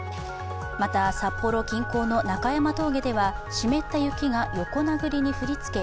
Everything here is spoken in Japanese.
また、札幌近郊の中山峠では湿った雪が横殴りに降りつけ